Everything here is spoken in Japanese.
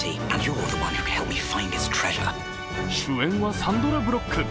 主演はサンドラ・ブロック。